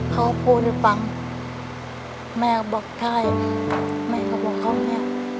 เขาพูดหรือปังแม่เขาบอกใช่แม่เขาบอกเขามี